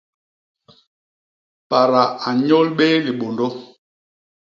Pada a nnyôl béé libôndô.